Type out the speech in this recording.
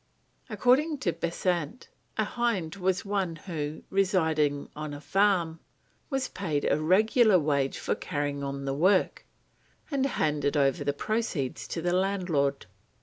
According to Besant, a hind was one who, residing on a farm, was paid a regular wage for carrying on the work, and handed over the proceeds to the landlord.